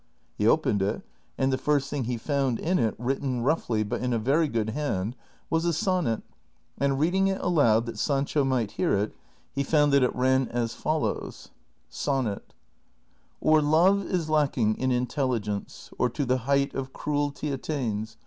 He opened it, and the first thing he found in it, written roughly but in a very good hand, was a sonnet, and reading it aloud that Sancho might hear it, he found that it ran as follows : SONNET, Or Love is lacking in intelligence, Or to the height of cruelty attains.